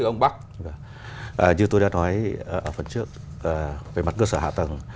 như tôi đã nói phần trước về mặt cơ sở hạ tầng